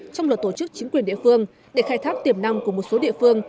trong luật tổ chức chính quyền địa phương để khai thác tiềm năng của một số địa phương